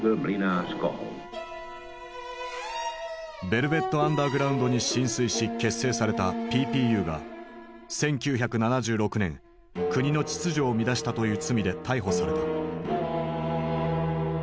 ヴェルヴェット・アンダーグラウンドに心酔し結成されたＰＰＵが１９７６年国の秩序を乱したという罪で逮捕された。